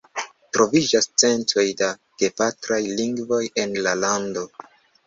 Troviĝas centoj da gepatraj lingvoj en la lando.